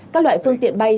các loại phương tiện bay